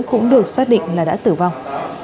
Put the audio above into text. cũng được xác định là đã tử vong